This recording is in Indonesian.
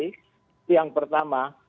itu yang pertama